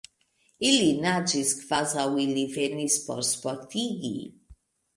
Ili naĝis kvazaŭ ili venis por sportigi.